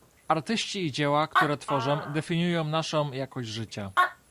Artyści i dzieła, które tworzą, definiują naszą jakość życia